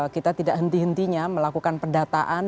kita tidak henti hentinya melakukan pendataan